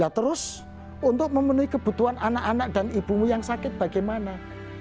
nah terus untuk memenuhi kebutuhan anak anak dan ibumu yang sakit bagaimana